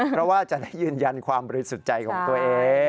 เพราะว่าจะได้ยืนยันความบริสุทธิ์ใจของตัวเอง